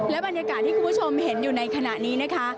บรรยากาศที่คุณผู้ชมเห็นอยู่ในขณะนี้นะคะ